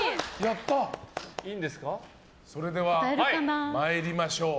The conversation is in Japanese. それでは参りましょう。